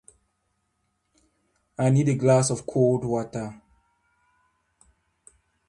I need a glass of cold water.